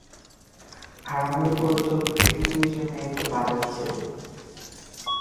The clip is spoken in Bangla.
আর আমাদের প্রযোজক ব্রেকিং নিউজের মেয়েকে বাজাচ্ছে!